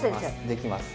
できます。